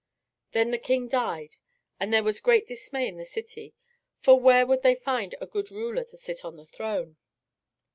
Then the king died, and there was great dismay in the city, for where would they find a good ruler to sit on the throne?